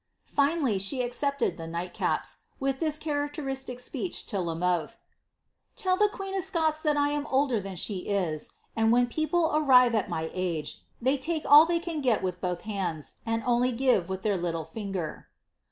Finally, she acce the night raps,* with this characteristic speech lo La Molhe :— ^Tell the queen of Scots that I am older than she is, and when pie arrive at my age, they take all they can get wiih both hands, only give with their little finger."